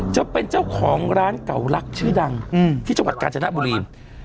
จะเป็นเจ้าของร้านเก่าลักชื่อดังที่จังหวัดกาญจนบุรี